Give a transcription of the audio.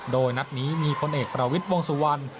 โดยนัดนี้มีพลเอกประวิทย์วงสุวรรณ